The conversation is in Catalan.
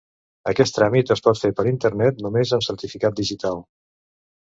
Aquest tràmit es pot fer per internet només amb certificat digital.